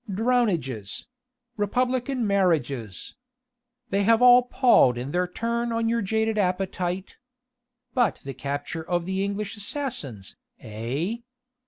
Drownages Republican marriages! They have all palled in their turn on your jaded appetite.... But the capture of the English assassins, eh?...